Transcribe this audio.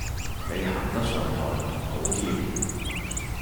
你行得上台唔好怯